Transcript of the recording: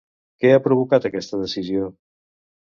Què ha provocat aquesta decisió?